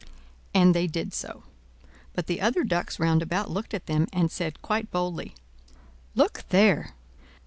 '" And they did so: but the other ducks round about looked at them, and said quite boldly: "Look there!